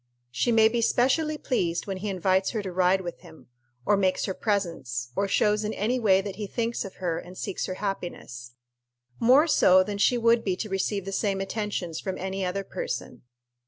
She may be specially pleased when he invites her to ride with him, or makes her presents, or shows in any way that he thinks of her and seeks her happiness more so than she would be to receive the same attentions from any other person.